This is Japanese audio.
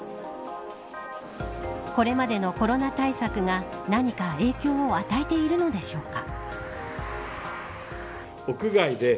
これまでのコロナ対策が何か影響を与えているのでしょうか。